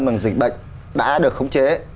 bằng dịch bệnh đã được khống chế